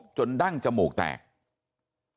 แล้วป้าไปติดหัวมันเมื่อกี้แล้วป้าไปติดหัวมันเมื่อกี้